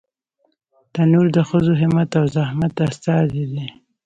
تنور د ښځو همت او زحمت استازی دی